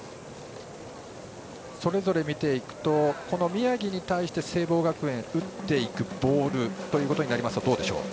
それぞれ見ていくと宮城に対して聖望学園が打っていくボールということになるとどうでしょう。